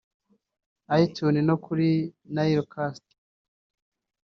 i Tunes no kuri Nilekast